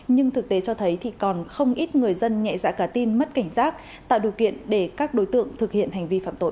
nhưng thực tế cho thấy thì còn không ít người dân nhẹ dạ cả tin mất cảnh giác tạo điều kiện để các đối tượng thực hiện hành vi phạm tội